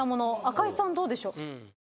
赤井さんどうでしょう？